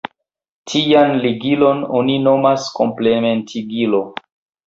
Tian ligilon oni nomas Komplementigilo.